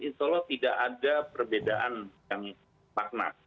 insya allah tidak ada perbedaan yang makna